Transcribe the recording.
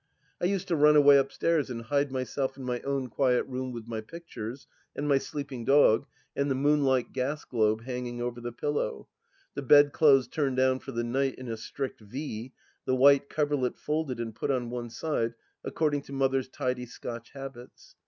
I used to rim away upstairs and hide myself in my own quiet room with my pictures, and my sleeping dog, and the moon like gas globe hanging over the pillow — ^the bedclothes turned down for the night in a strict V, the white coverlet folded and put on one side, according to Mother's tidy Scotch habits.